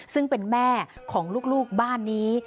ซึ่งเป็นแม่ของลูกบ้านนี้